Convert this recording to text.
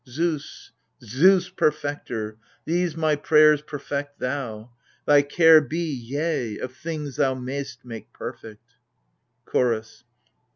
Zeus, Zeus Perfecter, these my prayers perfect thou ! Thy care be — yea — of things thou may'st make perfect ! CHOROS.